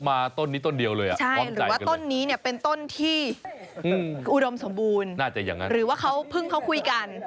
มาต้นนี้ต้นเดียวเลยอ่ะหรือว่าต้นนี้เป็นต้นที่อุดมสมบูรณ์หรือว่าเขาพึ่งเขาคุยกัน